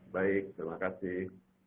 baik terima kasih